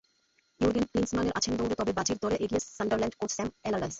Jürgen ক্লিন্সমানের আছেন দৌড়ে, তবে বাজির দরে এগিয়ে সান্ডারল্যান্ড কোচ স্যাম অ্যালারডাইস।